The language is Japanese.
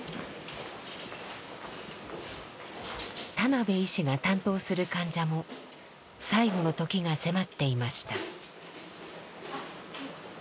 田邉医師が担当する患者も最期の時が迫っていました。